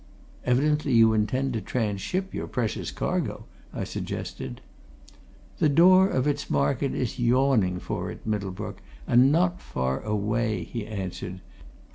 "Evidently you intend to tranship your precious cargo?" I suggested. "The door of its market is yawning for it, Middlebrook, and not far away," he answered.